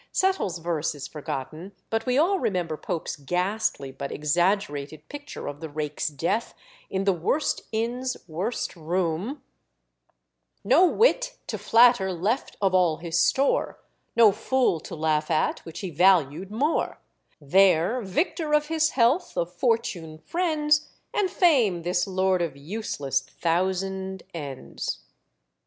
Settle's verse is forgotten, but we all remember Pope's ghastly but exaggerated picture of the rake's death in "the worst inn's worst room" "No wit to flatter left of all his store, No fool to laugh at, which he valued more, There, victor of his health, of fortune, friends, And fame, this lord of useless thousand ends."